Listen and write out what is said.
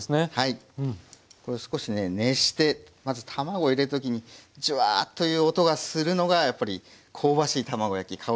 これ少しね熱してまず卵入れる時にジュワーッという音がするのがやっぱり香ばしい卵焼き